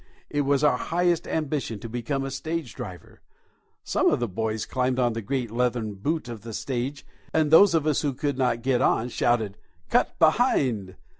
It was our highest ambition to become a stage driver. Some of the boys climbed on the great leathern boot of the stage, and those of us who could not get on shouted "Cut behind!"